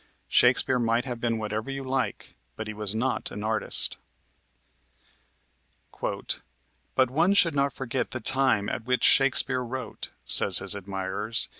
Shakespeare might have been whatever you like, but he was not an artist. "But one should not forget the time at which Shakespeare wrote," say his admirers.